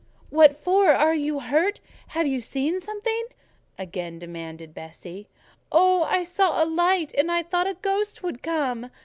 "What for? Are you hurt? Have you seen something?" again demanded Bessie. "Oh! I saw a light, and I thought a ghost would come."